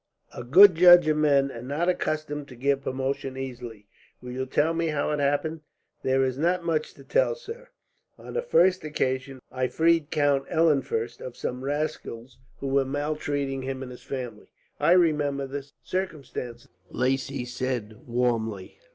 "A good judge of men, and not accustomed to give promotion easily. Will you tell me how it happened?" "There is not much to tell, sir. On the first occasion, I freed Count Eulenfurst of some rascals who were maltreating him and his family." "I remember the circumstance," Lacy said warmly.